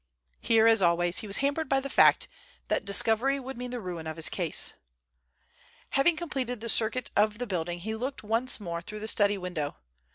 Here, as always, he was hampered by the fact that discovery would mean the ruin of his case. Having completed the circuit of the building, he looked once more through the study window.